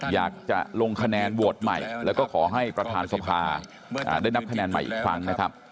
อยากจะลงคะแนนโหวตใหม่แล้วก็ขอให้ประธานสภาได้นับคะแนนใหม่อีกครั้งนะครับ